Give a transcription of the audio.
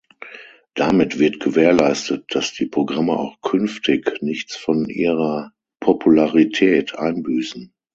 Damit wird gewährleistet, dass die Programme auch künftig nichts von ihrer Popularität einbüßen.